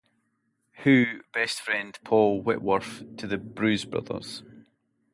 Who best friend Paul Whitworth to The Bruise Brothers.